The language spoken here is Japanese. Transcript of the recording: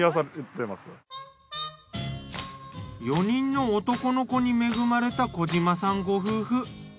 ４人の男の子に恵まれた小島さんご夫婦。